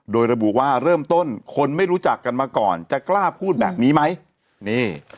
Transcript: โดยระบุว่าเริ่มต้นคนไม่รู้จักกันมาก่อนจะกล้าพูดแบบนี้ไหมนี่